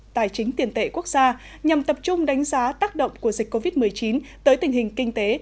tài chính tiền tệ quốc gia nhằm tập trung đánh giá tác động của dịch covid một mươi chín tới tình hình kinh tế